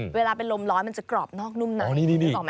เวลาเป็นลมร้อนมันจะกรอบนอกนุ่มใน